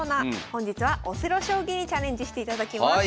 本日はオセロ将棋にチャレンジしていただきます。